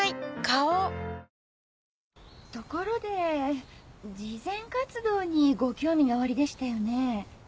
花王ところで慈善活動にご興味がおありでしたよね？